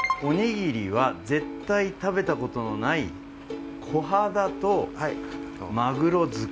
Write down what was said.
おにぎりは絶対食べたことのないこはだと。